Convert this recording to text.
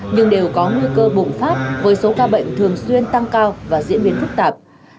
nhưng đều có nguy cơ bùng phát với số ca bệnh thường xuyên tăng cao và diễn biến phức tạp